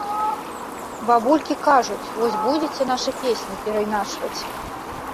Бабулькі кажуць, вось, будзеце нашы песні перайначваць.